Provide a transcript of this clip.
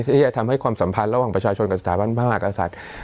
ที่จะทำให้ความสัมพันธ์ระหว่างประชาชนกับสถาบันพระมหากษัตริย์